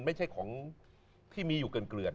ไม่ใช่ของที่มีอยู่เกลือด